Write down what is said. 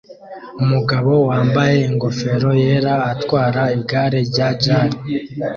Umugabo wambaye ingofero yera atwara igare rya JAL